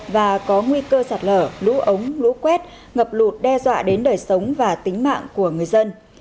và có nguy cơ sạt lở lũ ống lũ quét ngập lụt đe dọa đến đời sống và tính mạng của người dân